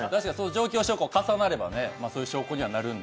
状況証拠が重なればそういう証拠になるので。